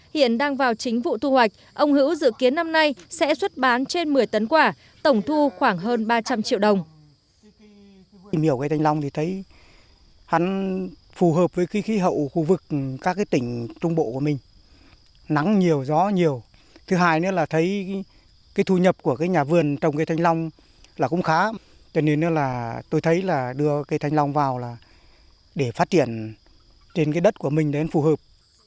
hiện đang vào chính vụ thu hoạch ông hữu dự kiến năm nay sẽ xuất bán trên một mươi tấn quả tổng thu khoảng hơn ba trăm linh triệu đồng